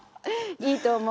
いいと思う。